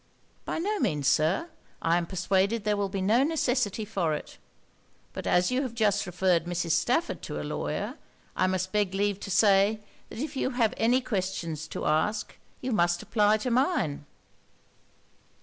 'By no means, Sir. I am persuaded there will be no necessity for it. But as you have just referred Mrs. Stafford to a lawyer, I must beg leave to say, that if you have any questions to ask you must apply to mine.'